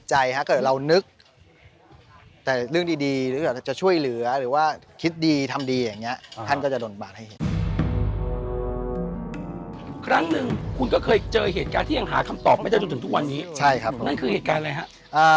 ใช่ครับนั่นคือเหตุการณ์อะไรฮะ